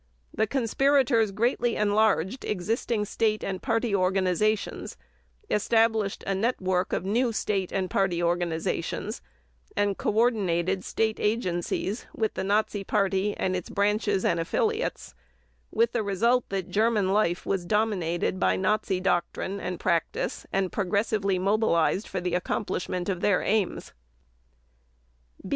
The conspirators greatly enlarged existing State and Party organizations; established a network of new State and Party organizations; and "coordinated" State agencies with the Nazi Party and its branches and affiliates, with the result that German life was dominated by Nazi doctrine and practice and progressively mobilized for the accomplishment of their aims.